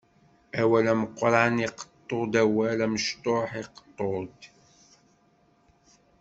Awal ameqqran iqeṭṭu-d, awal amecṭuḥ iqeṭṭu-d.